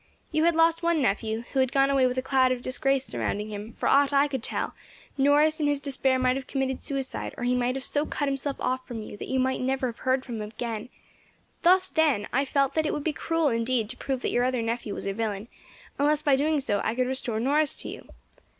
You had lost one nephew, who had gone away with a cloud of disgrace surrounding him for aught I could tell, Norris, in his despair, might have committed suicide, or he might have so cut himself off from you that you might never have heard from him again thus, then, I felt that it would be cruel indeed to prove that your other nephew was a villain, unless by so doing I could restore Norris to you.